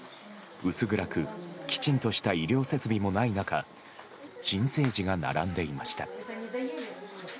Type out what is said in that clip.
薄暗くきちんとした医療設備もない中新生児が並んでいました。